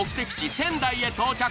仙台へ到着。